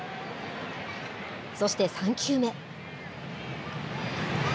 そして３球目。